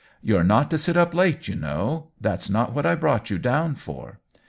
" You're not to sit up late, you know. That's not what I brought you down for."